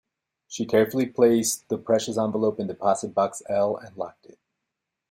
She carefully placed the precious envelope in deposit box L and locked it.